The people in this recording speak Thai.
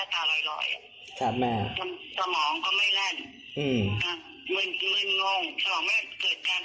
พันธุ์ค้าใจหัวอกคนเป็นแม่คนใย